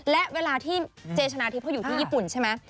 และเวลาที่เจชนะทิพย์เขาอยู่ที่ญี่ปุ่นใช่ไหม